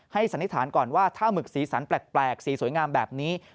สันนิษฐานก่อนว่าถ้าหมึกสีสันแปลกสีสวยงามแบบนี้